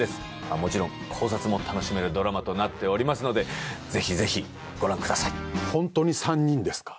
もちろん考察も楽しめるドラマとなっておりますのでぜひぜひご覧ください。